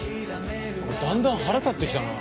だんだん腹立ってきたな。